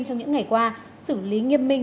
trong những ngày qua xử lý nghiêm minh